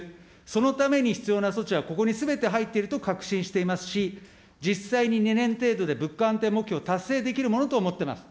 そのために必要な措置はここにすべて入っていると確信していますし、実際に２年程度で物価安定目標を達成できるものと思ってます。